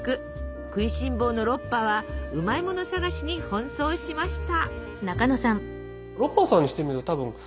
食いしん坊のロッパはうまいもの探しに奔走しました。